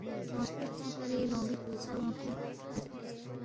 ڈونگسپی ہرکونگ رگالے لونگبی تھولسہ ‘‘ اوسینگ’’ تھونسید سوک۔